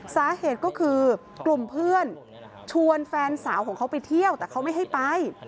สาเหตุก็คือกลุ่มเพื่อนชวนแฟนสาวของเขาไปเที่ยวแต่เขาไม่ให้ไป